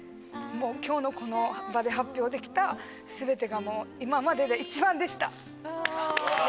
今日のこの場で発表できた全てがもう今までで一番でした！